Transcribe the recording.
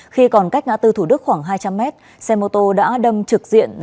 khi còn cách ngã tư thủ đức khoảng hai trăm linh mét xe mô tô đã đâm trực diện